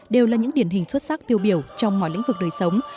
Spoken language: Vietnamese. đều là những điển hình xuất sắc tiêu biểu trong mọi lĩnh vực đời sống